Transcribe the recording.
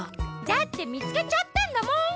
だってみつけちゃったんだもん。